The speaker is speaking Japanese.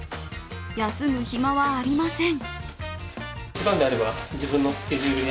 休む暇はありません。